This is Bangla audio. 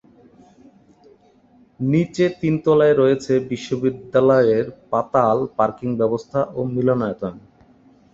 নিচে তিন তলায় রয়েছে বিশ্ববিদ্যালয়ের পাতাল পার্কিং ব্যবস্থা ও মিলনায়তন।